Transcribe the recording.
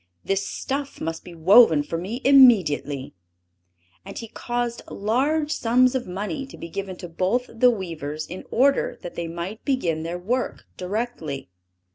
This stuff must be woven for me immediately." And he caused large sums of money to be given to both the weavers in order that they might begin their work directly.